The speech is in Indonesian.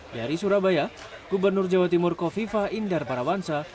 dari surabaya gubernur jawa timur kofifa indar parawansa